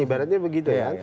ibaratnya begitu ya